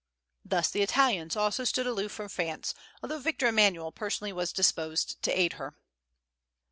Thus the Italians also stood aloof from France, although Victor Emmanuel personally was disposed to aid her.